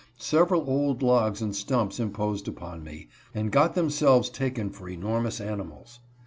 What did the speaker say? Several old logs and stumps imposed upon me, and got themselves taken for enormous animals.